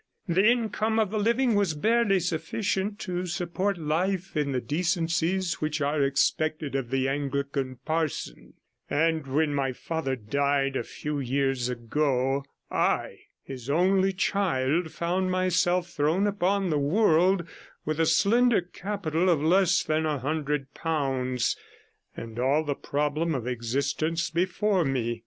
The income of the living was barely sufficient to support life in the decencies which are expected of the Anglican parson; and when my father died a few years ago, I, his only child, found myself thrown upon the world with a slender capital of less than a hundred pounds, and all the problem of existence before me.